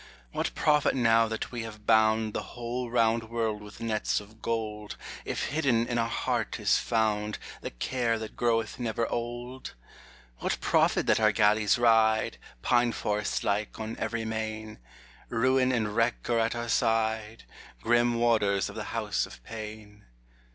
What profit now that we have bound The whole round world with nets of gold, If hidden in our heart is found The care that groweth never old? What profit that our galleys ride, Pine forest like, on every main? Ruin and wreck are at our side, Grim warders of the House of pain.